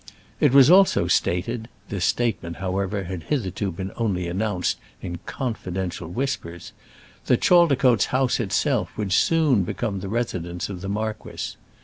It was also stated this statement, however, had hitherto been only announced in confidential whispers that Chaldicotes House itself would soon become the residence of the marquis.